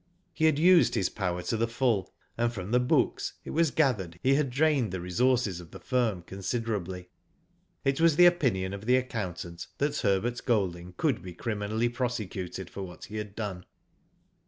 He had used his power to the full, and from the books it was gathered he had drained the resources of the firm considerably. It was the opinion of the accountant that Herbert Golding could be criminally prosecuted for what he had done.